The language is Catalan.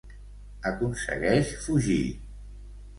Aconsegueix fugir.